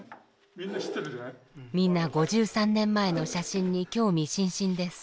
みんな５３年前の写真に興味津々です。